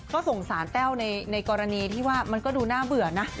ก็สงสารแต้วในกรณีที่ว่ามันก็ดูน่าเบื่อนะ